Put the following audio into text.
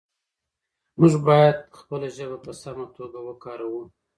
موږ باید خپله ژبه په سمه توګه وکاروو